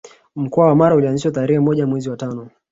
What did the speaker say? Mkoa wa Mara ulianzishwa tarerhe moja mwezi wa tano